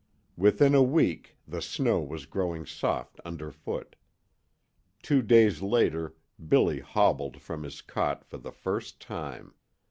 Within a week the snow was growing soft underfoot. Two days later Billy hobbled from his cot for the first time.